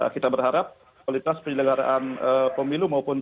kita berharap kualitas penyelenggaraan pemilu maupun